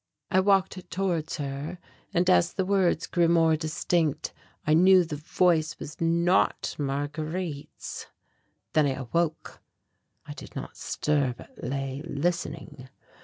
I walked towards her and as the words grew more distinct I knew the voice was not Marguerite's. Then I awoke. I did not stir but lay listening.